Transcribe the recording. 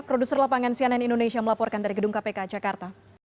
produser lapangan cnn indonesia melaporkan dari gedung kpk jakarta